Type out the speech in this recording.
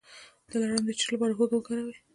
د لړم د چیچلو لپاره هوږه وکاروئ